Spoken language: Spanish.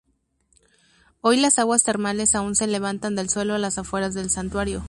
Hoy las aguas termales aun se levantan del suelo a las afueras del Santuario.